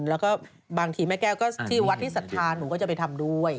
แล้วก็บางทีแม่แก้วก็ที่วัดที่ศรัทธาหนูก็จะไปทำด้วย